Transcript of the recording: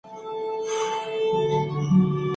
La oportunidad viene rápidamente.